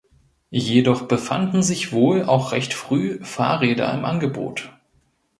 Jedoch befanden sich wohl auch recht früh Fahrräder im Angebot.